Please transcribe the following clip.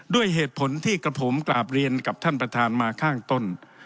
ด้วยเหตุผลที่กระผมกราบเรียนกับท่านประธานมาข้างต้น